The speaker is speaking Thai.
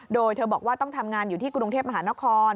โดยเธอบอกว่าต้องทำงานอยู่ที่กรุงเทพมหานคร